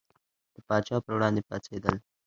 د پاچا پر وړاندې پاڅېدل.